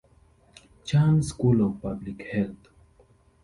Chan School of Public Health.